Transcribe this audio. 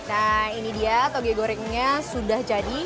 nah ini dia toge gorengnya sudah jadi